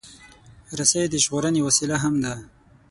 رسۍ د ژغورنې وسیله هم ده.